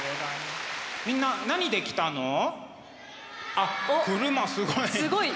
あっ車すごい。